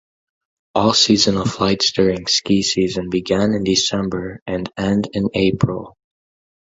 All seasonal flights during ski season begin in December and end in April.